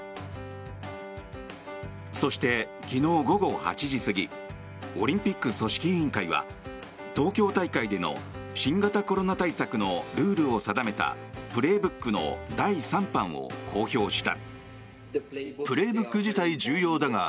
そして、昨日午後８時過ぎオリンピック組織委員会は東京大会での新型コロナ対策のルールを定めた「プレーブック」の第３版を公表した。